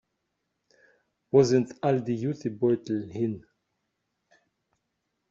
Wo sind all die Jutebeutel hin?